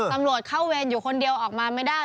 ตำรวจเข้าเวรอยู่คนเดียวออกมาไม่ได้